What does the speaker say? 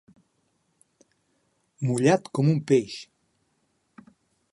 Mullat com un peix.